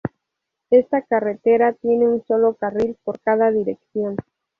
Esta carretera tiene un sólo carril por cada dirección.